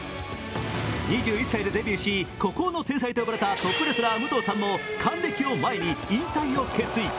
２１歳でデビューし孤高の天才と呼ばれたトップレスラー・武藤さんも還暦を前に引退を決意。